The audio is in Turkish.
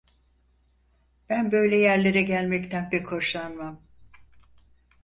Ben böyle yerlere gelmekten pek hoşlanmam.